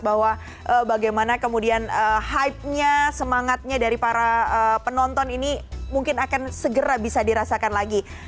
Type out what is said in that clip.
bahwa bagaimana kemudian hype nya semangatnya dari para penonton ini mungkin akan segera bisa dirasakan lagi